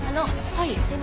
はい。